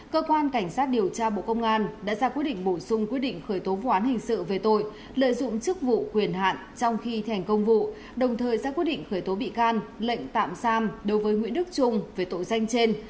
cơ quan cảnh sát điều tra bộ công an đã ra quyết định bổ sung quyết định khởi tố vụ án hình sự về tội lợi dụng chức vụ quyền hạn trong khi thành công vụ đồng thời ra quyết định khởi tố bị can lệnh tạm giam đối với nguyễn đức trung về tội danh trên